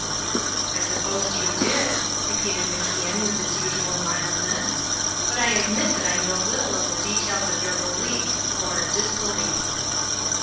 "I supposed you did," repeated MacIan with his usual mildness; "but I admit that I know little of the details of your belief or disbelief."